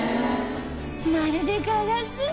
まるでガラス。